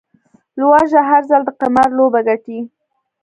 لوږه، هر ځل د قمار لوبه ګټي